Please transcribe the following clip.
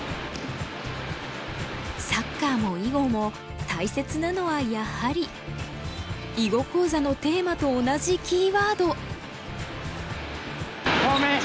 サッカーも囲碁も大切なのはやはり囲碁講座のテーマと同じキーワード。